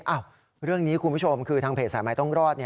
เรื่องนี้คุณผู้ชมคือทางเพจสายไม้ต้องรอด